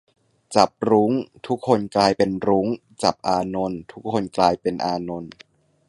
"จับรุ้ง ทุกคนกลายเป็นรุ้ง จับอานนท์ ทุกคนกลายเป็นอานนท์"